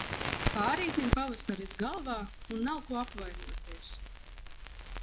Pārītim pavasaris galvā un nav ko apvainoties.